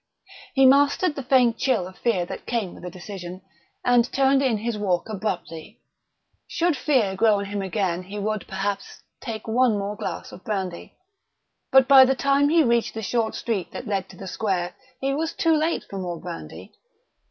He mastered the faint chill of fear that came with the decision, and turned in his walk abruptly. Should fear grow on him again he would, perhaps, take one more glass of brandy.... But by the time he reached the short street that led to the square he was too late for more brandy.